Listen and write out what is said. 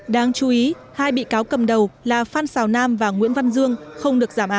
đáng chú ý hai bị cáo cầm đầu là phan xào nam và nguyễn văn dương không được giảm án